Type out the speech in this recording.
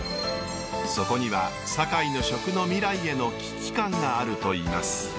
そこには堺の食の未来への危機感があるといいます。